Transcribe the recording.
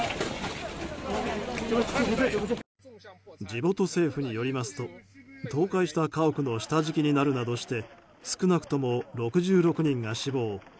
地元政府によりますと倒壊した家屋の下敷きになるなどして少なくとも６６人が死亡。